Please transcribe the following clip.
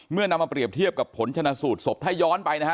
นำมาเปรียบเทียบกับผลชนะสูตรศพถ้าย้อนไปนะฮะ